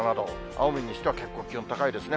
青森にしては結構気温高いですね。